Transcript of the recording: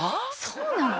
そうなの？